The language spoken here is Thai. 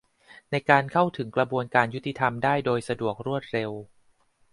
ในการเข้าถึงกระบวนการยุติธรรมได้โดยสะดวกรวดเร็ว